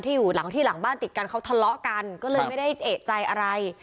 อยู่หลังที่หลังบ้านติดกันเขาทะเลาะกันก็เลยไม่ได้เอกใจอะไร